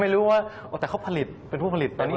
ไม่รู้ว่าแต่เขาผลิตเป็นผู้ผลิตตอนนี้